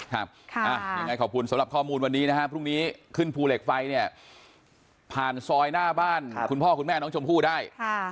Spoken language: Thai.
ยังไงขอบคุณสำหรับข้อมูลวันนี้นะฮะพรุ่งนี้ขึ้นภูเหล็กไฟเนี่ยผ่านซอยหน้าบ้านคุณพ่อคุณแม่น้องชมพู่ได้